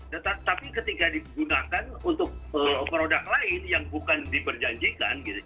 tetapi ketika digunakan untuk produk lain yang bukan diperjanjikan